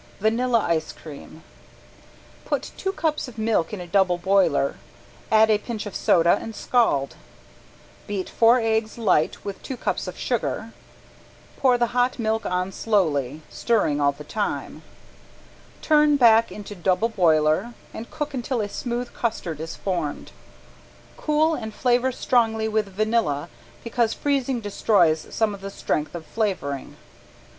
~VANILLA ICE CREAM~ Put two cups of milk in a double boiler, add a pinch of soda and scald, beat four eggs light with two cups of sugar, pour the hot milk on slowly, stirring all the time; turn back into double boiler and cook until a smooth custard is formed. Cool and flavor strongly with vanilla because freezing destroys some of the strength of flavoring.